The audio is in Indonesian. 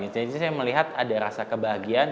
jadi saya melihat ada rasa kebahagiaan